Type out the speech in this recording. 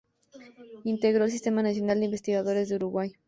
Integró el Sistema Nacional de Investigadores del Uruguay.